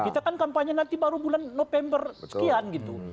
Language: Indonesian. kita kan kampanye nanti baru bulan november sekian gitu